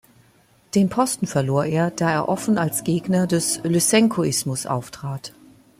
Den Posten verlor er, da er offen als Gegner des Lyssenkoismus auftrat.